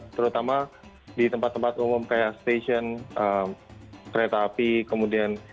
terutama di tempat tempat umum kayak stasiun kereta api kemudian